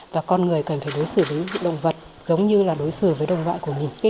và con người cần phải đối xử với những động vật giống như là đối xử với động vật của chúng ta